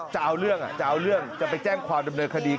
จะเอาเรื่องจะไปแจ้งความเงินคดี